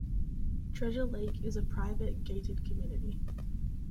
Treasure Lake is a private, gated community.